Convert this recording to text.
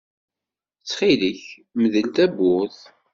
Ttxil-k mdel tawwurt.